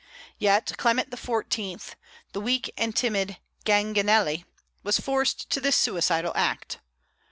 Yet Clement XIV. the weak and timid Ganganelli was forced to this suicidal act.